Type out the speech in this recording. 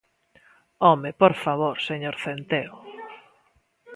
Home, ¡por favor, señor Centeo!